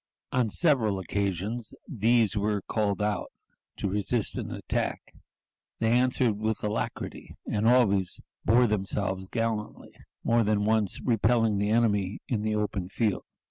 On several occasions these were called out to resist an attack. They answered with alacrity, and always bore themselves gallantly, more than once repelling the enemy in the open field.